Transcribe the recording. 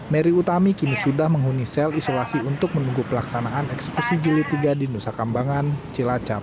mary utami kini sudah menghuni sel isolasi untuk menunggu pelaksanaan eksekusi jilid tiga di nusa kambangan cilacap